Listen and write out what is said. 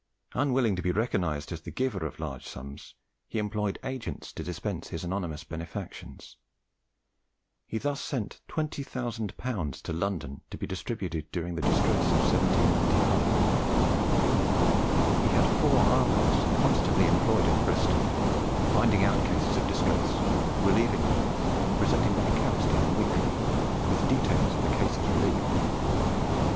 Unwilling to be recognised as the giver of large sums, he employed agents to dispense his anonymous benefactions. He thus sent 20,000L. to London to be distributed during the distress of 1795. He had four almoners constantly employed in Bristol, finding out cases of distress, relieving them, and presenting their accounts to him weekly, with details of the cases relieved.